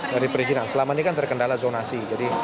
dari perizinan selama ini kan terkendala zonasi